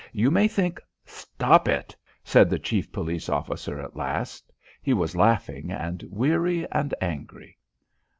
You may think " "Stop it," said the chief police officer at last. He was laughing and weary and angry.